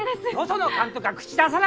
その監督は口出さないで！